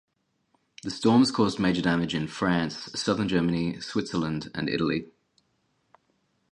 The storms caused major damage in France, southern Germany, Switzerland, and Italy.